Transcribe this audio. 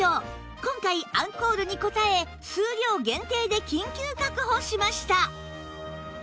今回アンコールに応え数量限定で緊急確保しました